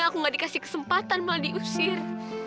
aku gak dikasih kesempatan malah diusir